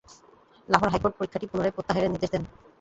Lahore high court পরীক্ষাটি পুনরায় প্রত্যাহারের নির্দেশ দেন।